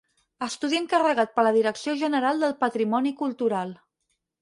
Estudi encarregat per la Direcció General del Patrimoni Cultural.